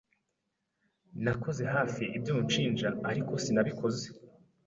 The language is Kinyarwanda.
Nakoze hafi ibyo unshinja, ariko sinabikoze.